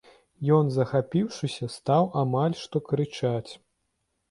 Ён, захапіўшыся, стаў амаль што крычаць.